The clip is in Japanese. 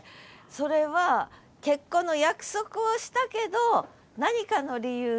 それは結婚の約束をしたけど何かの理由でできなかった？